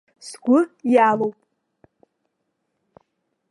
Сгәы иалоуп.